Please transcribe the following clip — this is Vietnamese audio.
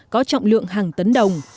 có trọng lượng hàng tấn đồng